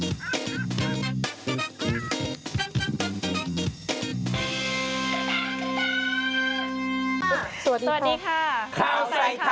เดี๋ยวก่อนดูผมก่อนค่ะท่านผู้ชมดูผมแอนจี้หน่อยค่ะ